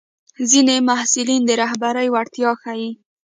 ځینې محصلین د رهبرۍ وړتیا ښيي.